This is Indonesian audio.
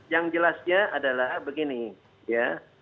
yang jelasnya adalah begini ya